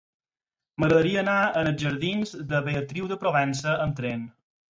M'agradaria anar als jardins de Beatriu de Provença amb tren.